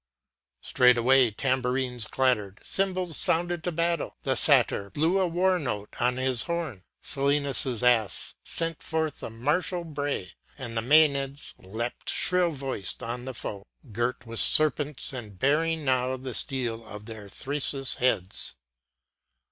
Straightway tambourines clattered, cymbals sounded to battle, a satyr blew the war note on his horn, Silenus's ass sent forth a martial bray, and the maenads leapt shrill voiced on the foe, girt with serpents and baring now the steel of their thyrsus heads.